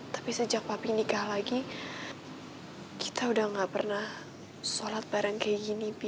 tapi sejak babi nikah lagi kita udah gak pernah sholat bareng kayak gini